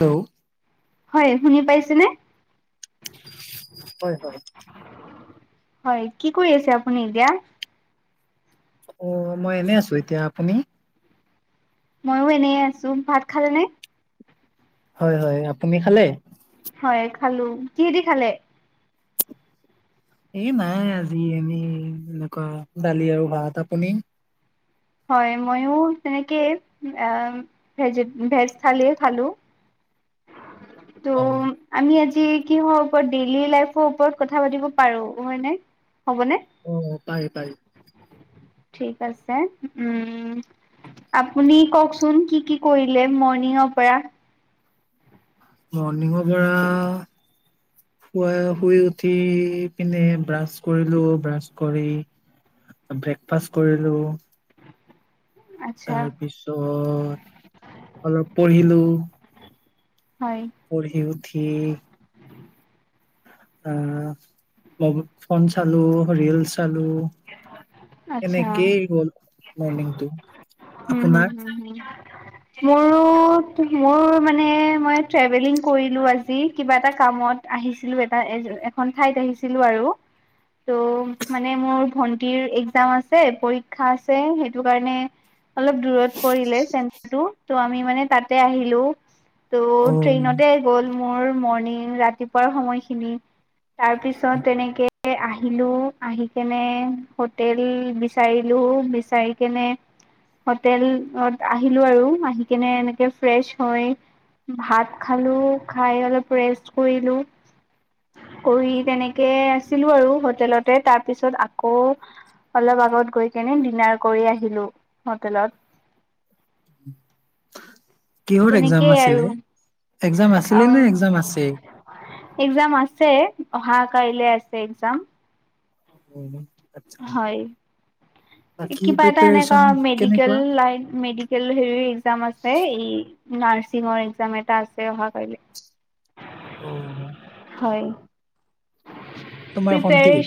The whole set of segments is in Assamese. হেল্ল' হয় শুনি পাইছেনে? হয় হয় হয় কি কৰি আছে আপুনি এতিয়া? অ মই এনে আছোঁ এতিয়া আপুনি? মইয়ো এনে আছোঁ ভাত খালে নে? হয় হয় আপুনি খালে? হয় খালোঁ। কিহেদি খালে? এ নাই আজি এনেই, এনেকুৱা দালি আৰু ভাত। আপুনি? হয় মইয়ো তেনেকে, ভেজ থালিয়ে খালোঁ। তোম আমি আজি কিহৰ ওপৰত! ডেইলি লাইফৰ ওপৰত কথা পাতিব পাৰোঁ। হয় নে, হ'বনে? অ পায় পায়। ঠিক আছে। উম আপুনি কওঁকচোন, কি কি কৰিলে মৰ্ণিঙৰ পৰা? মৰ্ণিঙৰ পৰা শুৱ শুই উঠি পিনে ব্ৰাছ কৰিলোঁ। ব্ৰাছ কৰি ব্ৰেকফাষ্ট কৰিলোঁ। আচ্ছা তাৰপিছত, অলপ পঢ়িলো। হয়। পঢ়ি উঠি আহ ম! ফোন চালোঁ, ৰিলচ চালোঁ। আচ্ছা। এনেকেই হ'ল মৰ্ণিংটো। আপোনাৰ? [unintelligible] মোৰো-মোৰ মানে মই ট্ৰেভেলিং কৰিলোঁ আজি। কিবা এটা কামত- আহিছিলো এটা এ-এখন ঠাইত আহিছিলো আৰু। ত' মানে মোৰ- ভন্টিৰ এক্জাম আছে, পৰীক্ষা আছে সেইটো কাৰণে- অলপ দূৰত পৰিলে চেণ্টটো ত' আমি মানে তা'তে আহিলো। ত' অ ট্ৰেইনতে গ'ল মোৰ মৰ্ণিং ৰাতিপুৱাৰ সময়খিনি। তাৰপিছত তেনেকে অহিলো, আহি কেনে- হোটেল বিচাৰিলো, বিচাৰি কেনে হোটেলত আহিলোঁ আৰু আহি কেনে এনেকে ফ্ৰেছ হৈ- ভাত খালো, খাই অলপ ৰেষ্ট কৰিলো। কৰি তেনেকে আছিলোঁ আৰু হোটেলতে, তাৰ পিছত আ- কৌ অলপ আগত গৈ কেনে ডিনাৰ কৰি আহিলোঁ হোটেলত। কিহৰ এক্জাম তেনেকেই আৰু আছিলে, এক্জাম আছিলে নে এক্জাম আছে? এক্জাম আছে, অহা কাইলে আছে এক্জাম। অ'। হয়। বাকী কিবা এটা এনেকুৱা প্ৰিপেৰেচন মেডিকেল কেনেকুৱা? লাইফ, মেডি- কেল হেৰি এক্জাম আছে এই নাৰ্ছিঙৰ এক্জাম এটা আছে অহা কাইলে। অ', -অ',। হয়। তোমাৰ পিছে এই, ভণ্টিৰ?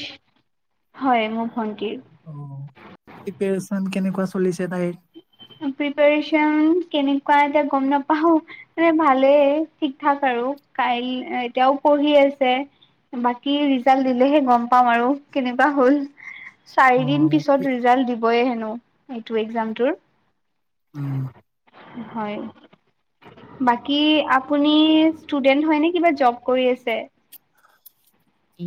হয়, মোৰ ভণ্টিৰ। অ', প্ৰিপয়েচন কেনেকুৱা চলিছে তাইৰ? প্ৰিপয়েচন কেনেকুৱা এতিয়া গম নাপাওঁ। মানে ভালেই ঠিক থাক আৰু, কাই এতিয়াও পঢ়ি আছে। বাকী' ৰিজাল্ট দিলে'হে গম পাম আৰু কেনেকুৱা হ'ল। চাৰি-দিন- অ', পিছত ৰিজাল্ট দিবয়ে হেনো এইটোৰ এক্জামটোৰ। উম। হয়। বাকী' আপুনি ইচ্ছটুডেন হয় নে কিবা জব কৰি আছে?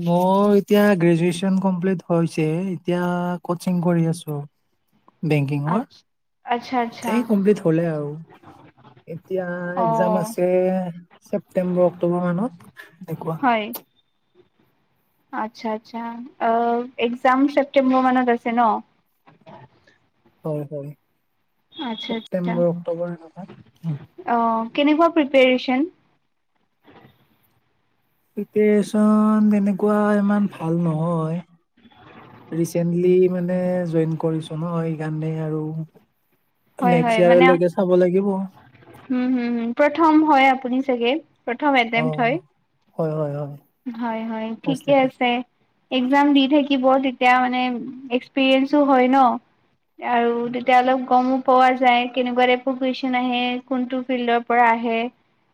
মই এতিয়া গ্ৰেজুৱচন কমপ্লিট হৈছে, এতিয়া কোচিং কৰি আছো। [unintelligible] বেংকিঙৰ, আচ্ছা আচ্ছা এই কমপ্লিট হ'লে আৰু। এতিয়া অ এক্জাম আছে ছেপ্তেম্বৰ-অক্টোবৰ মানত এনেকুৱা। আচ্ছা-আচ্ছা। এক্জাম চেপ্টেম্বৰ মানত আছে ন। হয়-হয়। আচ্ছা-আচ্ছা। এনেকুৱাত। অঁ', কেনেকুৱা প্ৰিপয়েচন? প্ৰিপয়েচন তেনেকুৱা ইমান ভাল নহয়। ৰিচেন্টলি মানে জইন কৰিছো ন' এই কাৰণে আৰু। হয় নেষ্কছ ইয়াৰলৈকে চাব লাগিব। হুম-হুম-হুম। প্ৰথম হয় আপুনি চাগে? প্ৰথম এটেন্ড ‌হয়। হয় হয় হয় হয়-হয় ফাৰ্ষ্ট ঠিকে এটেম্প আছে। এক্জাম দি থাকিব তেতিয়া মানে এক্সপিৰিয়েঞ্চো হয় ন। আৰু তেতিয়ালৈ অলপ গম - পোৱা যায়, কেনেকুৱা টাইপৰ কুইছন আহে কোনটো ফিল্ডৰ পৰা আহে।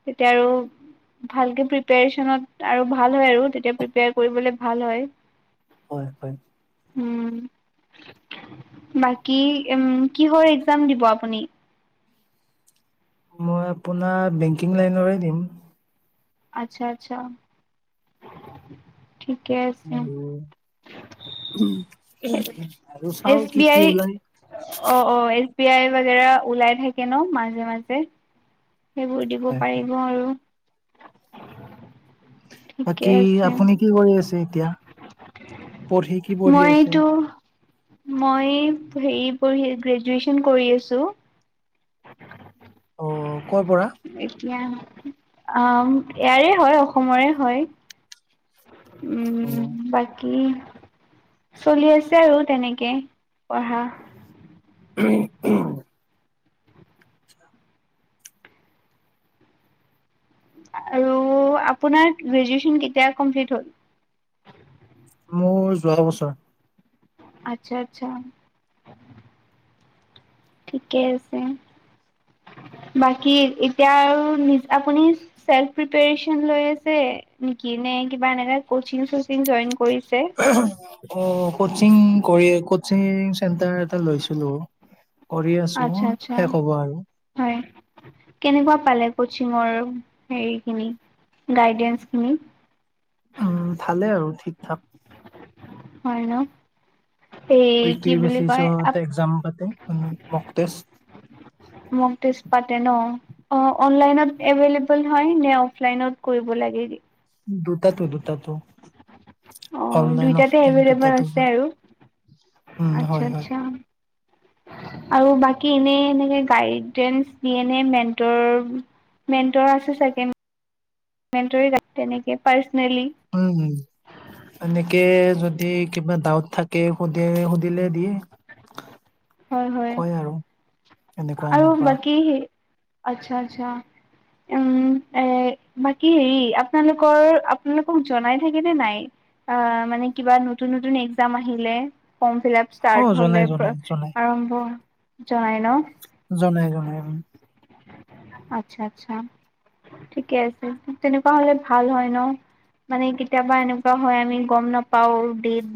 তেতিয়া আৰু- ভালকে প্ৰিপয়েচনত আৰু ভাল হয় আৰু তেতিয়া প্ৰিপয়েচন কৰিবলৈ ভাল হয় আৰু। হয়-হয়। উমঁ', বাকী উম' কি হয়। যাম দিব আপুনি। মই আপোনাৰ বেংকিং লাইনৰে দিম। আচ্ছা আচ্ছা। [inaudible] ঠিকে। আছে। উম' চাও এছ কি বি কি আই ওলাই। অ ', অ', এছ বি আই বাগেৰা ওলাই থাকে ন মাজে মাজে। সেইবোৰ দিব হয় হয় পাৰিব আৰু। ঠিকে বাকী আপুনি কি কৰি আছে এতিয়া? পঢ়ি কি পঢ়ি আছে মইটো মই হেৰি পঢ়ি, গ্ৰেজুৱেচন কৰি আছো। [unintelligible] অ কৰ পৰা? এতিয়া অ' ইয়াৰে হয়, অসমৰে হয়। অ উম' বাকি চলি আছে আৰু তেনেকে, পঢ়া। [unintelligible] আৰু আপোনাৰ গ্ৰেজুৱেচন কেতিয়া কমপ্লিট হ'ল? মোৰ যোৱাবছৰ। আচ্ছা আচ্ছা। ঠিকে আছে, বাকী এতিয়া আৰু নিজ আপুনি চেল্ফ প্ৰিপেয়েচন লৈ আছে, নিকি নে কিবা এনেকা কচিং চচিং জইন কৰিছে? [unintelligible] অ' কচিং কৰি কচিং চেণ্টাৰ এটা লৈছিলো। কৰি আছো আচ্ছা আচ্ছা শেষ হ'ব আৰু। হয়'। কেনেকুৱা পালে কচিঙৰ হেৰিখিনি, গাইডেন্ঞ্চ খিনি? উম' ভালে আৰু ঠিক থাক। হয় ন। এই কি কুইক্লী বুলি কয় বেছিছত একজাম পাতে, মক তেষ্ট। মক টেষ্ট পাতে ন। অ' অনলাইনত এভেইলেবল হয় নে, অফলাইনত কৰিব লাগে। দুটাতো দুটাতো। অ অনলাইন দুইটাতে অফলাইন এভলেবল দুটাতো আছে হয় আৰু, উম হয় আচ্ছা' হয় আচ্ছা'। [inaudible] আৰু বাকী এনে এনেকে গাইডেন্স দিয়ে এনে মেন্টৰ। মেন্ত্ৰৰ আছে চাগে মেণ্টৰি তেনেকে পাৰ্চনেলি। উম হুম। এনেকে যদি কিবা ডাউট থাকে, সুধে সুধিলে দিয়ে। হয়, হয়। কয় আৰু এনেকুৱা আৰু এনেকুৱা বাকী, আচ্ছা আচ্ছা উম' এ' বাকী হেৰি আপোনালোকৰ আপোনালোকক জনাই থাকে নে নাই? অ' মানে কিবা নতুন নতুন একজাম আহিলে। ফৰ্ম ফিল আপ অ ষ্টাৰ্ট জনাই হলে, জনাই জনাই আৰম্ভ, জনাই ন। জনাই জনাই হয়‌। আচ্ছা আচ্ছা। ঠিকে আছে তেনেকুৱা হলে ভাল হয় ন। মানে কেতিয়াবা এনেকুৱা হয় আমি গম নাপাওঁ ডেট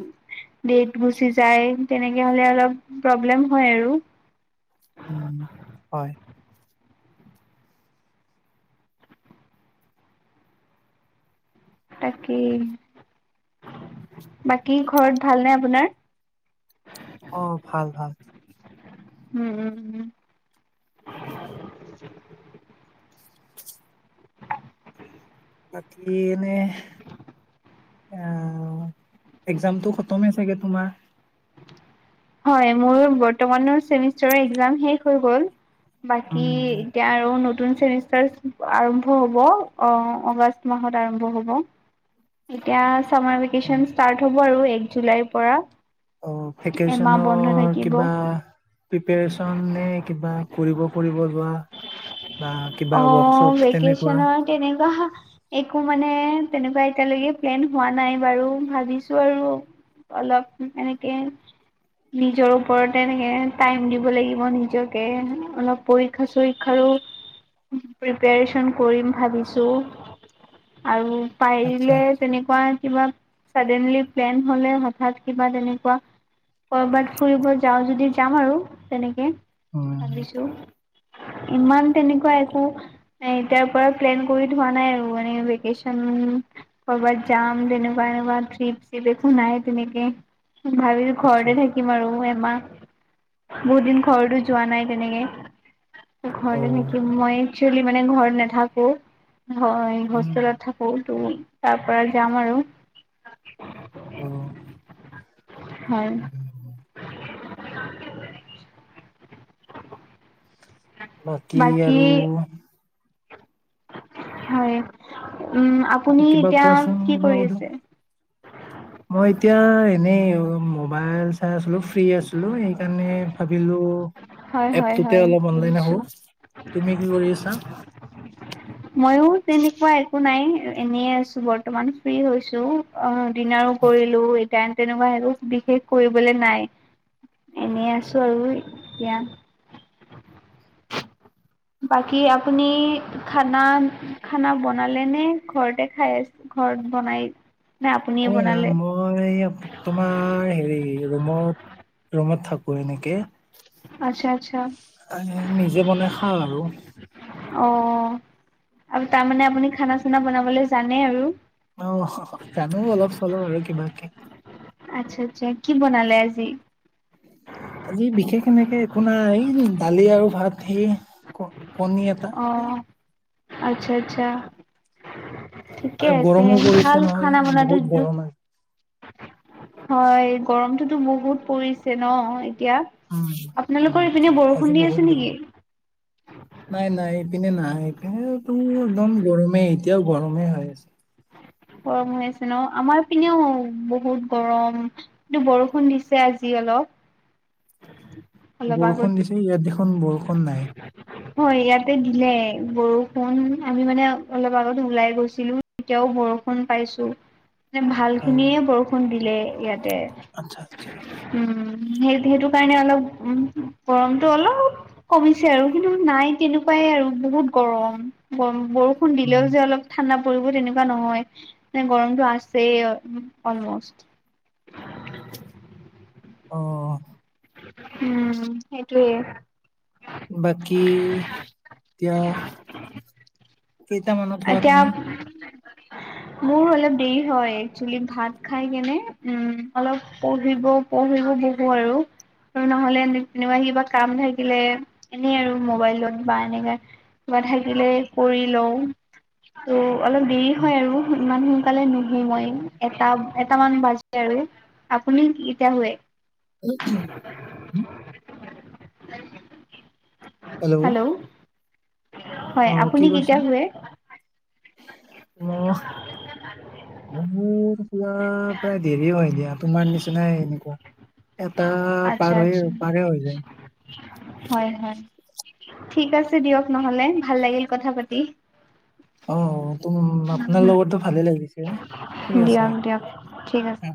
ডেট গুচি যায় তেনেকে হলে অলপ প্ৰব্লেম হয় আৰু। উম হয়। তাককেই। বাকী ঘৰত ভালনে আপোনাৰ? অ' ভাল ভাল। উম উম উম। বাকী এনেই আহ একজামতটো খতমেই চাগে তোমাৰ? হয় মোৰ বৰ্তমান চেমিষ্টাৰৰ এক শষ হৈ গ'ল। বাকী উম এতিয়া আৰু নতুন চেমিষ্টাৰ আৰম্ভ হ'ব আগষ্ট মাহত আৰম্ভ হ'ব। এতিয়া চামাৰ ভেকেচন ষ্টাৰ্ট হ'ব আৰু এক জুলাইৰ পৰা। অ' এমাহ ভেকেশচনৰ বন্ধ থাকিব কিবা প্ৰিপাৰেচন নে কিবা কৰিব ফুৰিব যোৱা? বা কিবা অ' ৱৰ্কশ্বপ তেনেকুৱা ভেকেচনৰ তেনেকুৱা হ একো মানে তেনেকুৱা এতিয়ালৈকে প্লেন হোৱা নাই বাৰু ভাবিছো আৰু অলপ এনেকে নিজৰ ওপৰতে এনেকৈ টাইম দিব লাগিব নিজকে অলপ পৰীক্ষা চৰীক্ষাৰো প্ৰিপাৰেচন কৰিম ভাবিছোঁ। আৰু পাৰিলে আচ্ছা তেনেকুৱা কিবা চাডেনলি প্লেন হ'লে হঠাৎ কিবা তেনেকুৱা ক'ৰবাত ফুৰিব যাওঁ যদি যাম আৰু তেনেকে উম ভাবিছোঁ। ইমান তেনেকুৱা একো এতিয়াৰ পৰা প্লেন কৰি থোৱা নাই আৰু বেকেশচন ক'ৰবাত জাম তেনেকুৱা এনেকুৱা ট্ৰিপ চিপ একো নাই তেনেকেই। ভাবিছোঁ আচ্ছা ঘৰতে থাকিম। থাকিম আৰু এমাহ বহুত দিন ঘৰতো যোৱা তেনেকে। অ ঘৰতে থাকিম মই একচুৱেলি মানে ঘৰত নাথাকো মই উম হোষ্টেলত থাকোঁ। তো তাৰ পৰা যাম আৰু অ হয়। উম। বাকী আৰু? হয় উম আপুনি কিবা এতিয়া কোৱাচোন কি কিবা কৰি সুধো আছে? মই এতিয়া এনেই মোবাইল চাই আছিলোঁ ফ্ৰী আছিলোঁ সেইকাৰণে ভাবিলোঁ হয় হয় এপটোতে হয় অলপ অনলাইন আহো। বুজিছো তুমি কি কৰি আছা? মইয়ো তেনেকুৱা একো নাই। এনেই আছো বৰ্তমান ফ্ৰী হৈছো অ ডিনাৰো অ কৰিলো। এতিয়া তেনেকুৱা একো বিশেষ কৰিবলে নাই। এনে আছো আৰু এতিয়া। বাকী আপুনি খানা খানা বনালে নে? ঘৰতে খাই আছে! ঘৰত বনাই। নে আপুনিয়ে উম নাই বনালে মই তোমাৰ এয়া তোমাৰ হেৰি ৰুমত থাকো এনেকে। আচ্ছা, আচ্ছা। নিজে বনাই খাওঁ আৰু। অঁ, তাৰমানে আপুনি খানা-চানা বনাবলে জানে আৰু! অঁ, জানো অলপ-চলপ আৰু কিবাকে। আচ্ছা, আচ্ছা। কি বনালে আজি? আজি বিশেষ এনেকে একো নাই, দালি আৰু ভাত সেয়া। ক কণী এটা। অঁ, আচ্ছা, আচ্ছা। ঠিকে আৰু আছে। গৰমো পৰিছে ভাল নহয় খানা বহুত বনোৱাটো- গৰম আজি হয়, গৰমটোতো বহুত পৰিছে ন এতিয়া! উম, উম, আপোনালোকৰ ইপিনে আজি বৰষুণ দি আছে নেকি! নাই-নাই ইপিনে নাই। ইপিনেতো একদম গৰমেই, এতিয়াও গৰমে হৈ আছে। গৰম হৈ আছে ন! আমাৰ পিনেও বহুত গৰম। কিন্তু বৰষুণ দিছে আজি অলপ। অলপ বৰষুণ আগত দিছে! ইয়াত দেখোন বৰষুণ নাই। হয়, ইয়াতে দিলে বৰষুণ, আমি মানে অলপ আগত ওলাই গৈছিলো। এতিয়াও বৰষুণ পাইছো মানে ভাল অ', খিনিয়ে বৰষুণ দিলে ইয়াতে। আচ্ছা, আচ্ছা। উম, সেই সেইটো কাৰণে অলপ উম, গৰমটো অলপ- কমিছে আৰু কিন্তু নাই তেনেকুৱাই আৰু বহুত গৰম। গৰম, বৰষুণ উম, দিলেও যে অলপ- ঠাণ্ডা পৰিব তেনেকুৱা নহয় মানে গৰমতটো আছেই অলমষ্ট। অঁ। উম, সেইটোৱেই। বাকী এতিয়া? কেইটামানত হোৱা তুমি? এতিয়া- মোৰ অলপ দেৰি হয়, একচুৱেলী ভাত খাই কেনে উম, অলপ পঢ়িব- পঢ়িব বহো আৰু। আৰু নহলে তেনেবা কিবা কাম থাকিলে এনেই আৰু মোবাইলত বা এনেকে- বা থাকিলে কৰি লওঁ, ত অলপ দেৰি হয় আৰু। ইমান সোনকালে নুশু মই, এটা এটামান বাজে আৰু। আপুনি কেইটাত শুয়ে? [unintelligible] হেল্ল'! হয়, অ কি আপুনি কৈছা? কেইটাত শুয়ে? [unintelligible] প্ৰায় দেৰি হয় দিয়া, তোমাৰ নিচিনাই এনেকুৱা। এটা আচ্ছা পাৰ হৈ, আচ্ছা পাৰে হৈ যায়। হয়, হয়। ঠিক আছে দিয়ক নহলে, ভাল লাগিল কথা পাতি। অঁ। অঁ, তো আপোনাৰ লগতো ভালে লাগিছে। ঠিক আছে। দিয়ক, দিয়ক, ঠিক আছে।